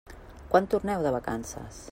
Quan torneu de vacances?